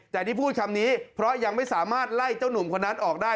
แต่ที่พูดคำนี้เพราะยังไม่สามารถไล่เจ้าหนุ่มคนนั้นออกได้